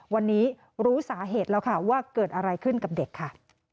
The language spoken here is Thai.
วันนี้รู้สาเหตุแล้วค่ะว่าเกิดอะไรขึ้นกับเด็กค่ะ